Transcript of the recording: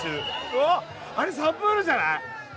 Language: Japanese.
あれサプールじゃない？